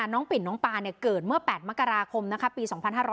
ปิ่นน้องปาเกิดเมื่อ๘มกราคมปี๒๕๕๙